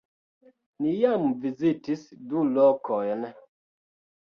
Ni jam vizitis du lokojn